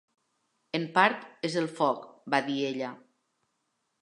"En part, és el foc", va dir ella.